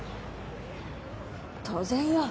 当然よ。